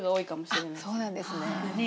そうなんですね。